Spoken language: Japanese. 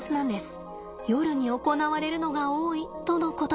夜に行われるのが多いとのことです。